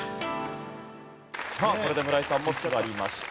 さあこれで村井さんも座りました。